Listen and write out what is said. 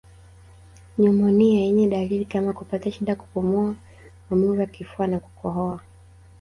Nyumonia yenye dalili kama kupata shida kupumua maumivu ya kifua na kukohoa